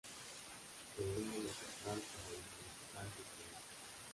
Se une lo teatral como lo musical-popular.